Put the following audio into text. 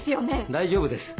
大丈夫です。